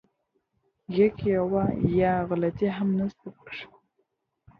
یکي یوه "یا" غلطي هم نسته پکښي.